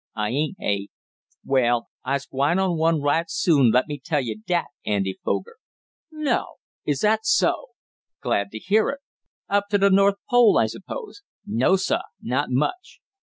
"I ain't, hey? Well I's gwine on one right soon, let me tell you dat, Andy Foger!" "No! Is that so? Glad to hear it. Up to the North Pole I suppose?" "No, sah; not much!